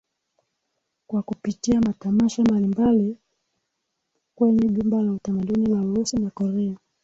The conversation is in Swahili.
Kwa kupitia matamasha mbali mbali kwenye Jumba la utamaduni la Urusi na Korea